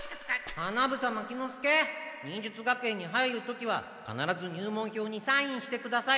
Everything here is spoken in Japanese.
花房牧之介忍術学園に入る時はかならず入門票にサインしてください。